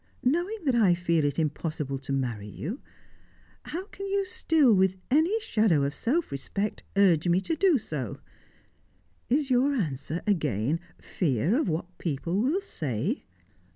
Knowing that I feel it impossible to marry you, how can you still, with any shadow of self respect, urge me to do so? Is your answer, again, fear of what people will say?